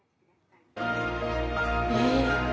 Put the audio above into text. えっ？